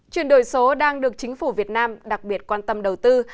chuyển đổi số đang được chính phủ việt nam đặc biệt quan tâm đầu tư